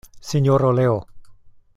Sinjoro Leo.